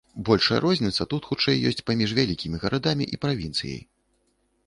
Большая розніца тут хутчэй ёсць паміж вялікімі гарадамі і правінцыяй.